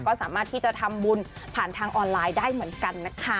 ก็สามารถที่จะทำบุญผ่านทางออนไลน์ได้เหมือนกันนะคะ